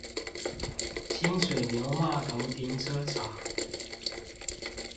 清水牛罵頭停車場